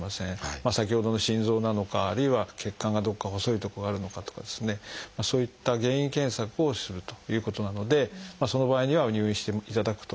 先ほどの心臓なのかあるいは血管がどこか細いとこがあるのかとかですねそういった原因検索をするということなのでその場合には入院していただくという必要もある。